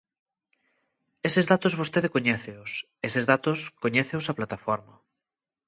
Eses datos vostede coñéceos, eses datos coñéceos a plataforma.